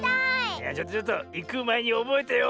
いやちょっとちょっといくまえにおぼえてよ。